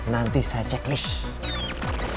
nanti saya cek list